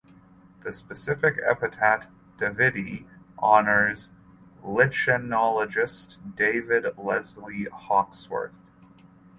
The specific epithet "davidii" honours lichenologist David Leslie Hawksworth.